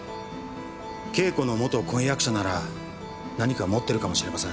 慶子の元婚約者なら何か持ってるかもしれません。